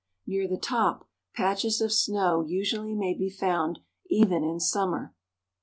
Near the top, patches of snow usually may be found even in summer.